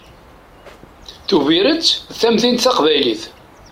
Tubiret d tamdint taqbaylit.